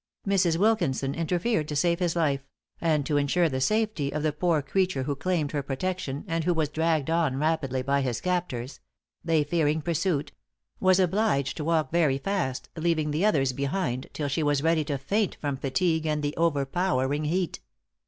Mrs. Wilkinson interfered to save his life; and to insure the safety of the poor creature who claimed her protection, and who was dragged on rapidly by his captors they fearing pursuit was obliged to walk very fast, leaving the others behind, till she was ready to faint from fatigue and the overpowering heat.